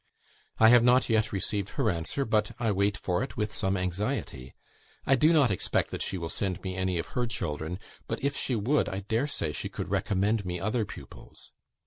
I have not yet received her answer, but I wait for it with some anxiety. I do not expect that she will send me any of her children, but if she would, I dare say she could recommend me other pupils.